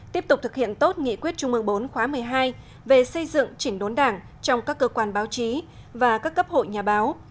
tiếp tục thực hiện tốt nghị quyết trung mương bốn khóa một mươi hai về xây dựng chỉnh đốn đảng trong các cơ quan báo chí và các cấp hội nhà báo